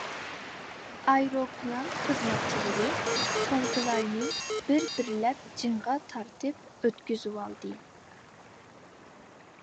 ئايروپىلان خىزمەتچىلىرى سومكىلارنى بىر-بىرلەپ جىڭغا تارتىپ ئۆتكۈزۈۋالدى.